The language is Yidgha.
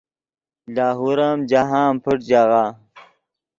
لاہور ام جاہند پݯ ژاغہ